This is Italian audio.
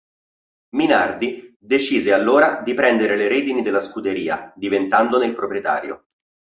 Minardi decise allora di prendere le redini della scuderia diventandone il proprietario.